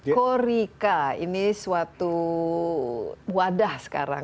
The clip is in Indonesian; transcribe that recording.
korika ini suatu wadah sekarang